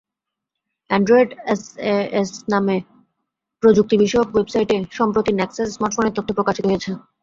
Android SAS নামের প্রযুক্তিবিষয়ক ওয়েবসাইটে সম্প্রতি নেক্সাস স্মার্টফোনের তথ্য প্রকাশিত হয়েছে।